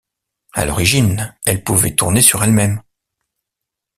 À l'origine, elle pouvait tourner sur elle-même.